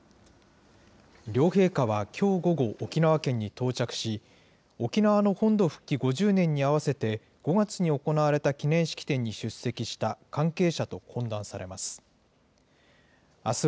両陛下はきょう午後、沖縄県に到着し、沖縄の本土復帰５０年に合わせて５月に行われた記念式典に出席した関係者と懇談されます。